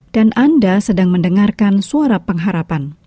dan anda sedang mendengarkan suara pengharapan